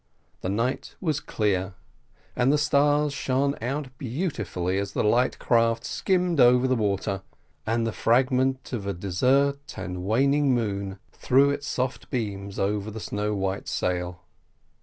The night was clear, and the stars shone out brilliantly as the light craft skimmed over the water, and a fragment of a descending and waning moon threw its soft beams upon the snow white sail.